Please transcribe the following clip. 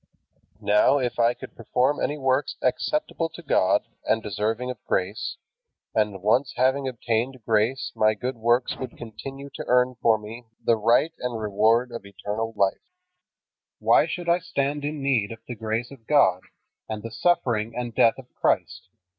Now, if I could perform any work acceptable to God and deserving of grace, and once having obtained grace my good works would continue to earn for me the right and reward of eternal life, why should I stand in need of the grace of God and the suffering and death of Christ?